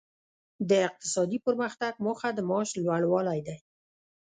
د اقتصادي پرمختګ موخه د معاش لوړوالی دی.